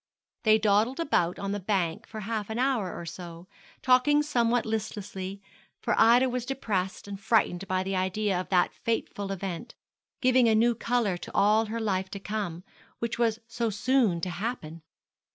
They dawdled about on the bank for half an hour or so, talking somewhat listlessly, for Ida was depressed and frightened by the idea of that fateful event, giving a new colour to all her life to come, which was so soon to happen.